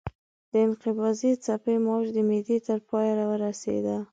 د انقباضي څپه موج د معدې تر پایه ورسېده.